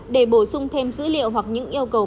để bổ sung thêm dữ liệu hoặc những yêu cầu